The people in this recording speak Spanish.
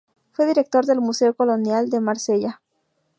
Fue director del "Museo Colonial de Marsella".